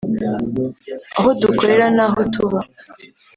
aho dukorera n’aho tuba